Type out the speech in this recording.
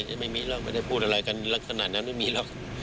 จะไม่มีหรอกไม่ได้พูดอะไรกันลักษณะนั้นไม่มีหรอก